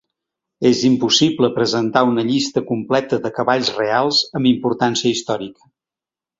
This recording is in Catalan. És impossible presentar una llista completa de cavalls reals amb importància històrica.